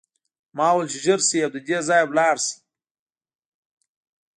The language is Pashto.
ما وویل چې ژر شئ او له دې ځایه لاړ شئ